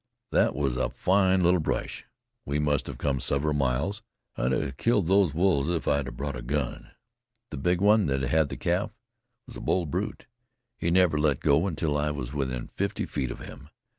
"That was a fine little brush. We must have come several miles. I'd have killed those wolves if I'd brought a gun. The big one that had the calf was a bold brute. He never let go until I was within fifty feet of him.